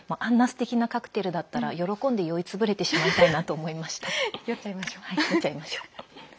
すてきなカクテルだったら喜んで酔い潰れてしまいたいなと酔っちゃいましょう。